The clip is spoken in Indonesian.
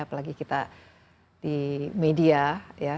apalagi kita di media ya